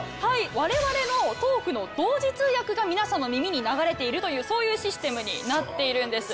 われわれのトークの同時通訳が皆さんの耳に流れているというそういうシステムになっているんです。